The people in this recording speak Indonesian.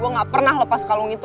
gue gak pernah lepas kalung itu